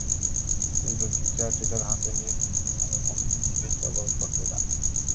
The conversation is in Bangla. কিন্তু গিটার-টিটার হাতে নিয়ে তিনি নানা রকম ভঙ্গিই কেবল করতে জানেন।